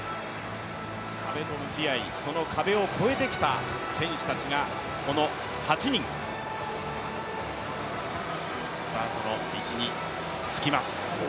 壁と向き合い、その壁を越えてきた選手がこの８人、スタートの位置につきます。